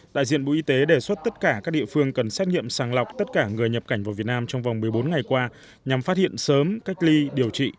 đại diện bộ y tế đề xuất tất cả các địa phương cần xét nghiệm sàng lọc tất cả người nhập cảnh vào việt nam trong vòng một mươi bốn ngày qua nhằm phát hiện sớm cách ly điều trị